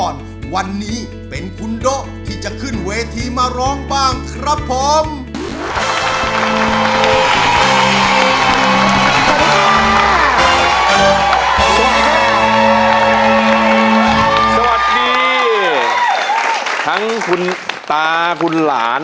สวัสดีค่ะสวัสดีทั้งคุณตาคุณหลาน